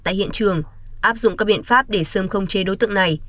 tại hiện trường áp dụng các biện pháp để sớm khống chế đối tượng này